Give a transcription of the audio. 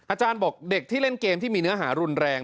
อาจารย์บอกเด็กที่เล่นเกมที่มีเนื้อหารุนแรง